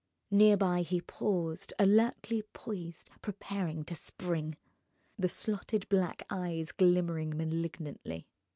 Near by he paused, alertly poised, prepared to spring. The slotted black eyes glimmered malignantly.